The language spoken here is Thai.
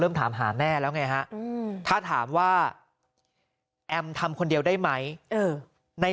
ถามหาแม่แล้วไงฮะถ้าถามว่าแอมทำคนเดียวได้ไหมใน